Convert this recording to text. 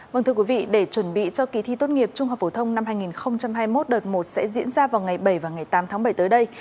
vâng thưa quý vị để chuẩn bị cho kỳ thi tốt nghiệp trung học phổ thông năm hai nghìn hai mươi một đợt một sẽ diễn ra vào ngày bảy và ngày tám tháng bảy tới đây